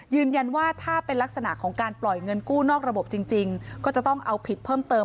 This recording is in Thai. ยืนยันว่าถ้าเป็นลักษณะของการปล่อยเงินกู้นอกระบบจริงก็จะต้องเอาผิดเพิ่มเติม